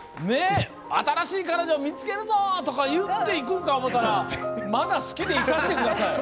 新しい彼女、見つけるぞ！とか言うんやと思ったらまだ好きでいさせてください。